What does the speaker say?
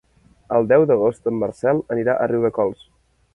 El deu d'agost en Marcel anirà a Riudecols.